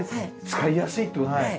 使いやすいって事だ。